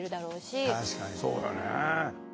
確かにそうだね。